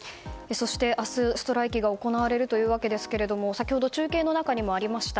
そして明日、ストライキが行われるわけですけれども先ほど中継の中にもありました